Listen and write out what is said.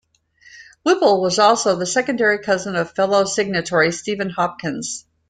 Whipple was also the second cousin of fellow signatory, Stephen Hopkins.